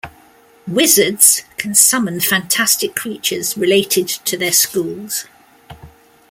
Wizards can summon fantastic creatures related to their schools.